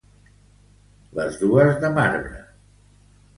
Les dos de marbre.